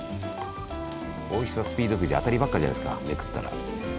おいしさスピードくじ当たりばっかじゃないですかめくったら。